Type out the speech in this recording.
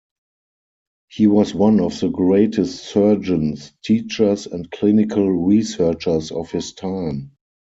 He was one of the greatest surgeons, teachers and clinical researchers of his time.